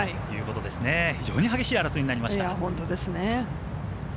非常に激しい争いになりました。